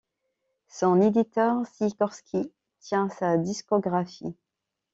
Son éditeur, Sikorski, tient sa discographie.